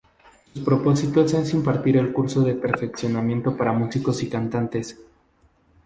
Su propósito es impartir cursos de perfeccionamiento para músicos y cantantes.